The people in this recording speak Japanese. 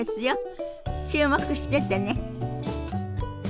注目しててね。